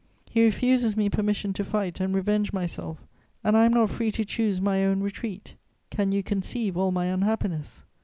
He refuses me permission to fight and revenge myself, and I am not free to choose my own retreat: can you conceive all my unhappiness?